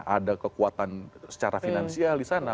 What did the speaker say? ada kekuatan secara finansial di sana